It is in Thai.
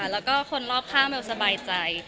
แล้วก็คนรอบข้างเบลสบายใจ